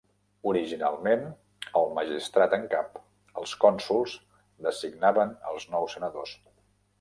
Originalment el magistrat en cap, els cònsols, designaven els nous senadors.